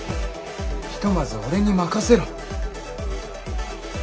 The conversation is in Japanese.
ひとまず俺に任せろ。